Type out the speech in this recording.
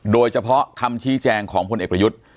โดยเฉพาะคำชี้แจงของพลเอกประยุทธ์